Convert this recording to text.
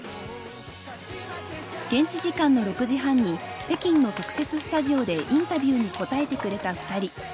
現地時間の６時半に北京の特設スタジオでインタビューに答えてくれた２人。